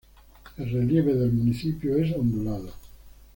El relieve del municipio es ondulado.